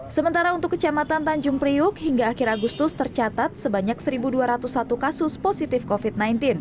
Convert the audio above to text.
sementara untuk kecamatan tanjung priuk hingga akhir agustus tercatat sebanyak satu dua ratus satu kasus positif covid sembilan belas